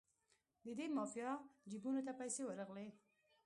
د دې مافیا جیبونو ته پیسې ورغلې.